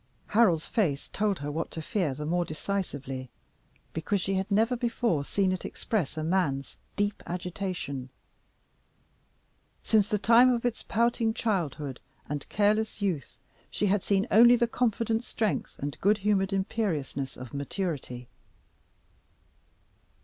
Harold's face told her what to fear the more decisively, because she had never before seen it express a man's deep agitation. Since the time of its pouting childhood and careless youth she had seen only the confident strength and good humored imperiousness of maturity.